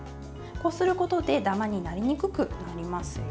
こうすることでダマになりにくくなりますよ。